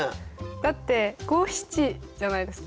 だって五七じゃないですか。